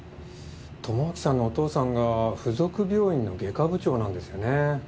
智明さんのお父さんが付属病院の外科部長なんですよね。